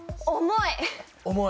重い。